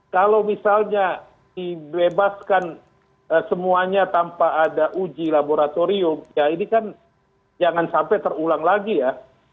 kalau misalnya dibebaskan semuanya tanpa ada uji laboratorium ya ini kan jangan sampai terulang lagi ya